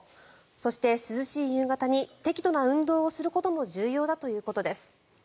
そして、涼しい夕方に適度な運動をすることも重要だということです。